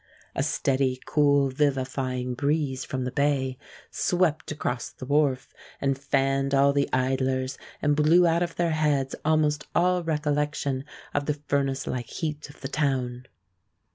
A steady, cool, vivifying breeze from the bay swept across the wharf and fanned all the idlers, and blew out of their heads almost all recollection of the furnacelike heat of the town.